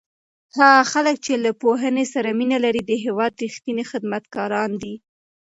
هغه خلک چې له پوهنې سره مینه لري د هېواد رښتیني خدمتګاران دي.